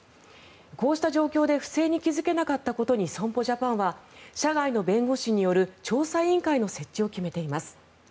こうした状況で不正に気付けたなかったことに損保ジャパンは社外の弁護士による調査委員会の設置を決めています。